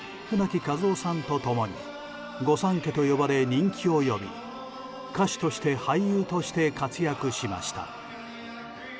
舟木一夫さんと共に御三家と呼ばれ人気を呼び歌手として、俳優として活躍しました。